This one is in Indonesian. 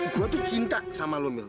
gue tuh cinta sama lu mil